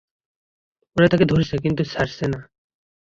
ওরা তাকে ধরছে কিন্তু ছাড়ছে না।